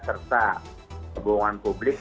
serta kebohongan publik